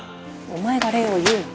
お前が礼を言うな。